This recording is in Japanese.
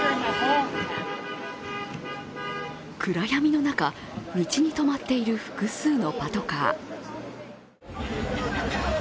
暗闇の中、道に止まっている複数のパトカー。